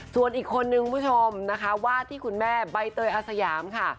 ส่วนอีกคนนึงคุณผู้ชมนะคะวาดที่คุณแม่ใบเตยอาสยามค่ะ